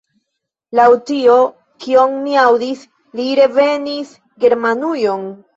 Laŭ tio, kion mi aŭdis, li revenis Germanujon?